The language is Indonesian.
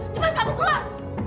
cepat kamu keluar